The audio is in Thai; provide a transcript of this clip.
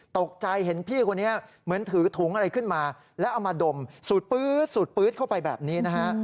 ตกใจเห็นพี่คนนี้เหมือนถือถุงอะไรขึ้นมาแล้วเอามาดมสูดปื๊ดสูดปื๊ดเข้าไปแบบนี้นะฮะ